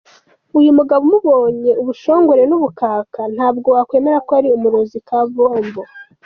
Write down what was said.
Uyu mugabo umubonye ubushongore n’ ubukaka ntabwo wakwemera ko ari umurozi kabombo.